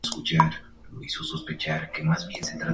Opuesta a la guerra, propuso formas de boicot activo.